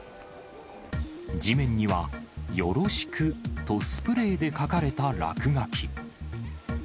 地面には夜露死苦とスプレーで書かれた落書き。